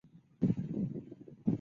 玛蒂达想帮助哈妮小姐。